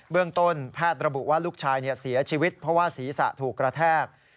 เรื่องต้นแพทย์ระบุว่าลูกชายเสียชีวิตเพราะว่าศีรษะถูกกระแทก